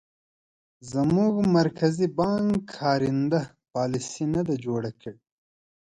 زموږ مرکزي بانک کارنده پالیسي نه ده جوړه کړې.